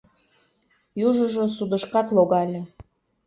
Южыжо судышкат логале.